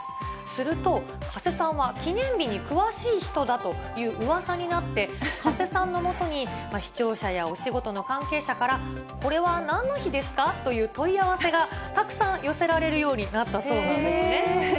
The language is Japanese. すると、加瀬さんは記念日に詳しい人だとうわさになって、加瀬さんのもとに、視聴者やお仕事の関係者から、これはなんの日ですか？という問い合わせがたくさん寄せられるようになったそうなんですね。